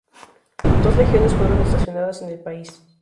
Dos legiones fueron estacionadas en el país.